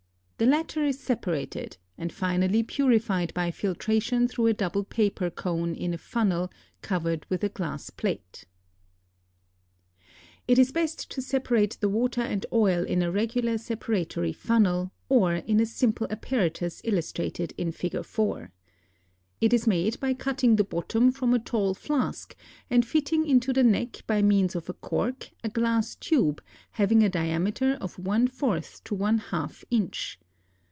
The latter is separated, and finally purified by filtration through a double paper cone in a funnel covered with a glass plate. [Illustration: FIG. 4.] It is best to separate the water and oil in a regular separatory funnel, or in a simple apparatus illustrated in Fig. 4. It is made by cutting the bottom from a tall flask, and fitting into the neck by means of a cork a glass tube having a diameter of one fourth to one half inch.